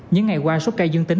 những ngày qua số cây dương tính